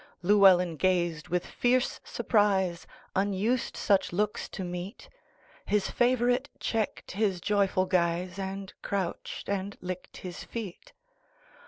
Llewelyn gazed with fierce surprise; Unused such looks to meet, His favorite checked his joyful guise, And crouched and licked his feet.